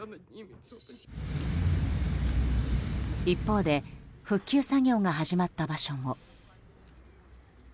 一方で復旧作業が始まった場所も。